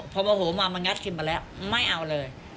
พอโมโหมามันงัดขึ้นมาแล้วไม่เอาเลย